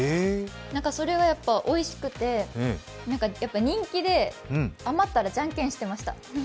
それはおいしくて、人気で、余ったらじゃんけんしてました。